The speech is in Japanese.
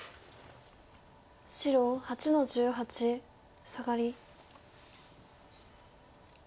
白８の十八サガリ。